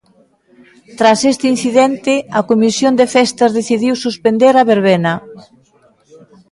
Tras este incidente, a comisión de festas decidiu suspender a verbena.